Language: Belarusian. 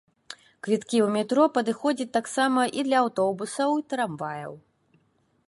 Квіткі ў метро падыходзяць таксама і для аўтобусаў і трамваяў.